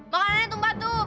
makannya tumpah tuh